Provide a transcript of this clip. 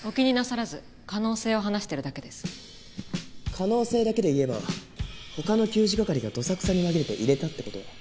可能性だけでいえば他の給仕係がどさくさに紛れて入れたって事は？